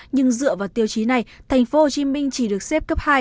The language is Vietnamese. nhưng dựa vào tiêu chí này thành phố hồ chí minh chỉ được xếp cấp hai